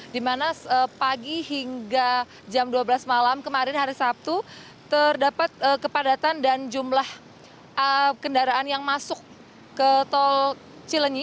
di mana pagi hingga jam dua belas malam kemarin hari sabtu terdapat kepadatan dan jumlah kendaraan yang masuk ke tol cilenyi